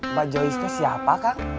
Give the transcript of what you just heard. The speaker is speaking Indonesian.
mbak joys itu siapa kang